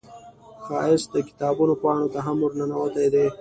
ښایست د کتابونو پاڼو ته هم ورننوتی دی